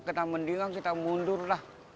kita mendiang kita mundur lah